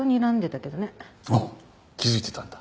あっ気づいてたんだ。